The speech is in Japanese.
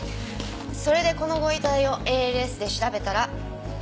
それでこのご遺体をＡＬＳで調べたら。